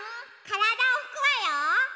からだをふくわよ。